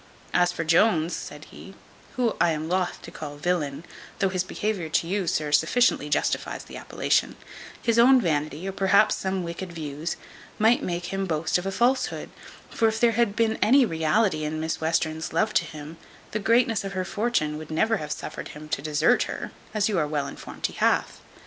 As for Jones," said he, "whom I am loth to call villain, though his behaviour to you, sir, sufficiently justifies the appellation, his own vanity, or perhaps some wicked views, might make him boast of a falsehood; for if there had been any reality in Miss Western's love to him, the greatness of her fortune would never have suffered him to desert her, as you are well informed he hath.